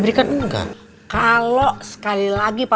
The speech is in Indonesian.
bisa bantu mewaris ke resident mall